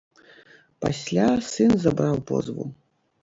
Пасля сын забраў позву.